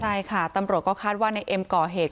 ใช่ค่ะตำรวจก็คาดว่าในเอ็มก่อเหตุ